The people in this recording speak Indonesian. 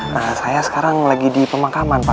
nah saya sekarang lagi di pemakaman pak